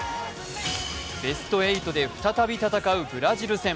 ベスト８で再び戦うブラジル戦。